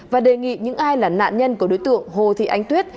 và đề nghị những ai là nạn nhân của đối tượng hồ thị ánh tuyết